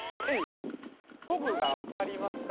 僕が分かりますか？